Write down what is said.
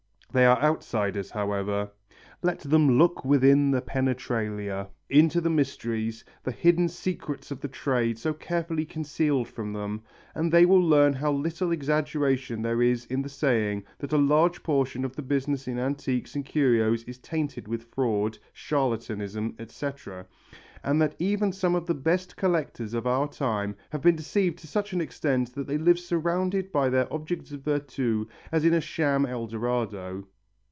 They are outsiders, however. Let them look within the penetralia, into the mysteries, the hidden secrets of the trade so carefully concealed from them, and they will learn how little exaggeration there is in the saying that a large portion of the business in antiques and curios is tainted with fraud, charlatanism, etc., and that even some of the best collectors of our time have been deceived to such an extent that they live surrounded by their objects of virtu as in a sham El Dorado.